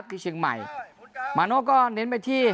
ผู้เชียงใหม่อ๋อก็เน้นไปที่